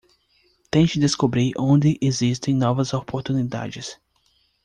Tente descobrir onde existem novas oportunidades